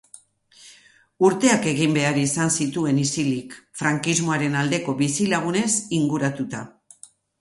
Urteak egin behar izan zituen isilik, frankismoaren aldeko bizilagunez inguratuta.